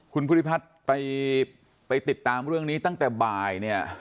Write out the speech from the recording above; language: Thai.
คุณพุทธิพัฒน์ไปติดตามเรื่องนี้ตั้งแต่บ่าย